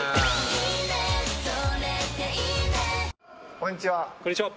こんにちは！